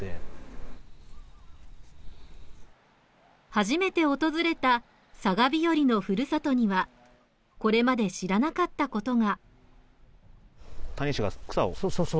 初めて訪れたさがびよりのふるさとにはこれまで知らなかったことが。